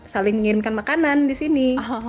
saling mengirimkan makanan disini